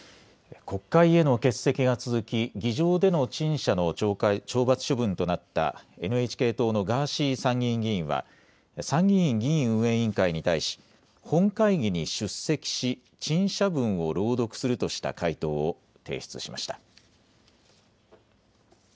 国会への欠席が続き議場での陳謝の懲罰処分となったＮＨＫ党のガーシー参議院議員は参議院議院運営委員会に対し本会議に出席し陳謝文を朗読するとした回答を提出しました。